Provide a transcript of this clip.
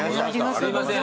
すいません。